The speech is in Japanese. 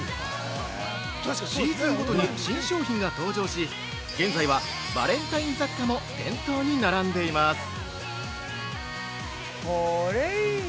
シーズンごとに新商品が登場し現在は、バレンタイン雑貨も店頭に並んでいます。